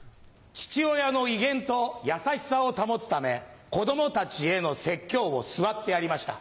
父親の威厳と優しさを保つため子供たちへの説教を座ってやりました。